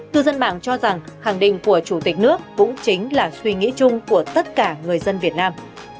tư dân mạng cho rằng khẳng định của chủ tịch nước cũng chính là suy nghĩ chung của tất cả người dân việt nam